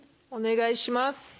お願いします。